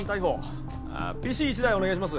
ＰＣ１台お願いします。